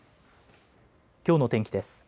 きょうの天気です。